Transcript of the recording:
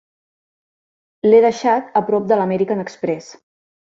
L'he deixat a prop de l'American Express.